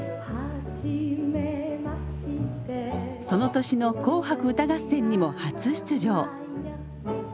その年の「紅白歌合戦」にも初出場。